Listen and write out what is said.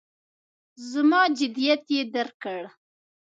زما جدیت یې درک کړ.